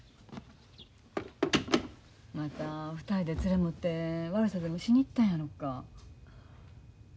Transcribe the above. また２人でつれもって悪さでもしに行ったんやろか。